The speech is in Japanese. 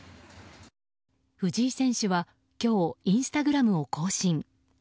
藤井選手は今日インスタグラムを更新。